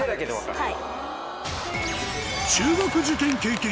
はい。